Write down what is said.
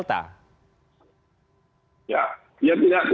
jadi apa yang anda katakan